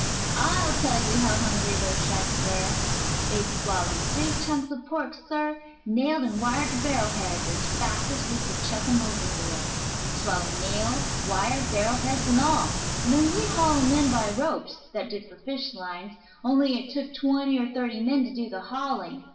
I'll tell you how hungry those sharks were. They'd swallow big chunks of pork, sir, nailed and wired to barrel heads, as fast as we could chuck 'em overboard; swallow nails, wire, barrel heads, and all, and then we'd haul 'em in by ropes, that did for fish lines, only it took twenty or thirty men to do the hauling.